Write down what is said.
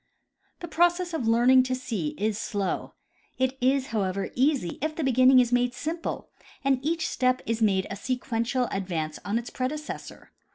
The process of learning to see is slow. It is, however, easy if the beginning is made simple and each step is made a sequential advance on its predecessor.